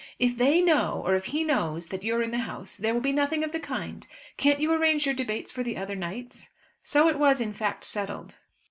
"If they know, or if he knows that you're in the house, there will be nothing of the kind. Can't you arrange your debates for the other nights?" So it was, in fact, settled.